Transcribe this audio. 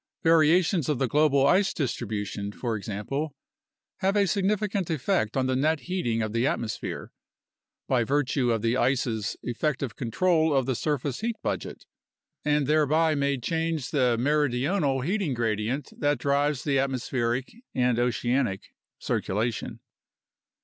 Variations of the global ice distribution, for example, have a sig nificant effect on the net heating of the atmosphere (by virtue of the ice's effective control of the surface heat budget), and thereby may change the meridional heating gradient that drives the atmospheric (and oceanic) circulation.